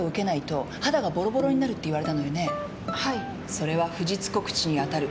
それは不実告知に当たる。